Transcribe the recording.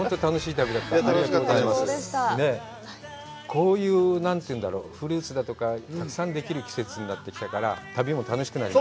こういうフルーツだとか、たくさんできる季節になってきたから旅も楽しくなり